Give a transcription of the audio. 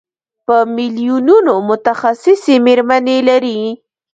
په میلیونونو متخصصې مېرمنې لري.